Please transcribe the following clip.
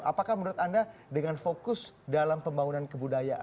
apakah menurut anda dengan fokus dalam pembangunan kebudayaan